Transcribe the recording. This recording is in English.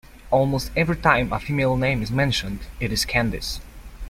Almost every time a female name is mentioned it is Candice.